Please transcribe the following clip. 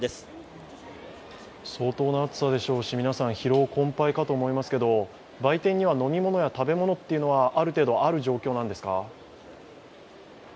相当な暑さでしょうし、皆さん、疲労困ぱいでしょうけど、売店には飲み物や食べ物はある程度ある状態なんですか？